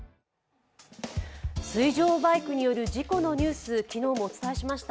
水上バイクによる事故のニュース、昨日もお伝えしました。